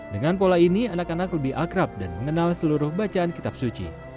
dengan pola ini anak anak lebih akrab dan mengenal seluruh bacaan kitab suci